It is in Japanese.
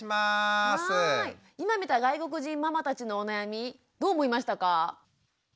今見た外国人ママたちのお悩みどう思いましたか？